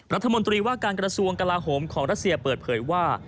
รัฐมนตรีว่าการกระทรวงกลาโหมของรัสเซียเปิดเผยว่า